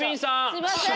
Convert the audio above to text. すいません！